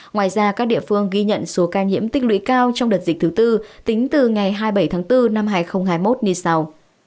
ngoài ra các địa phương ghi nhận số ca nhiễm tích lũy cao trong đợt dịch thứ tư tính từ ngày hai mươi bảy tháng bốn năm hai nghìn hai mươi một như sau